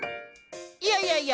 いやいやいや。